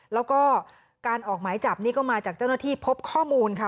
แล้วก็การออกหมายจับนี่ก็มาจากเจ้าหน้าที่พบข้อมูลค่ะ